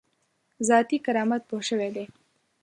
ذاتي کرامت پوه شوی دی.